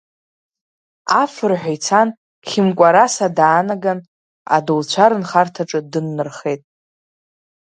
Афырҳәа ицан, Хьымкәараса даанаган, адауцәа рынхарҭаҿы дыннархеит.